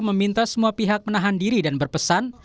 meminta semua pihak menahan diri dan berpesan